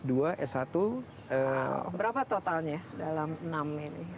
berapa totalnya dalam enam ini